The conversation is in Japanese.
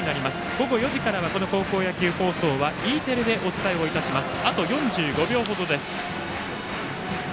午後４時からは高校野球放送はＥテレでお伝えします。